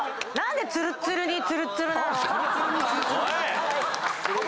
おい！